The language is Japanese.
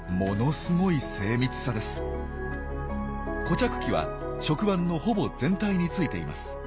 固着器は触腕のほぼ全体についています。